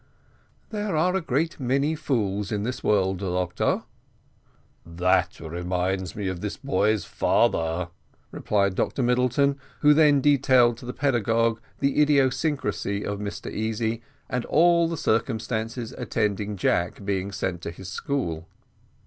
"There are a great many fools in this world, doctor." "That reminds me of this boy's father," replied Dr Middleton; who then detailed to the pedagogue the idiosyncrasy of Mr Easy, and all the circumstances attending Jack being sent to his school.